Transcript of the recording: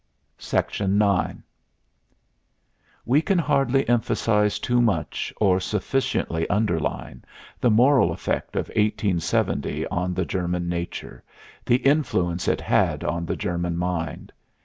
IX We can hardly emphasize too much, or sufficiently underline, the moral effect of 1870 on the German nature, the influence it had on the German mind.